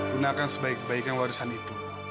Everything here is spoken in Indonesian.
gunakan sebaik baiknya warisan itu